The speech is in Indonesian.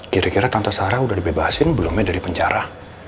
kira kira tante sarah udah dibebasin belumnya dari penjara